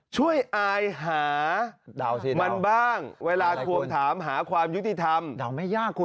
ช่วยอายหามันบ้างเวลาความถามหาความยุติธรรม